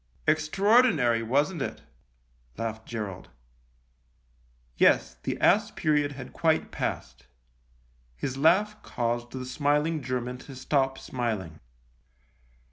" Extraordinary, wasn't it ?" laughed Gerald. Yes, the ass period had quite passed. His laugh caused the smiling German to stop smiling.